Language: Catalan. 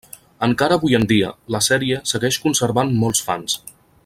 Encara avui en dia, la sèrie segueix conservant molts fans.